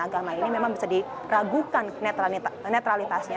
agama ini memang bisa diragukan netralitasnya